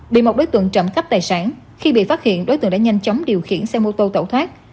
bị một đối tượng trộm cắp tài sản khi bị phát hiện đối tượng đã nhanh chóng điều khiển xe mô tô tẩu thoát